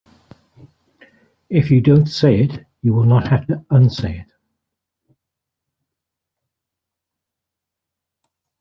If you don't say it you will not have to unsay it.